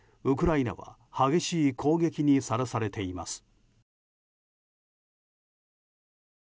ウクライナは激しい攻撃にさらされています。